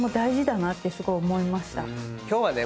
今日はね